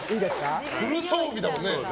フル装備だもんね。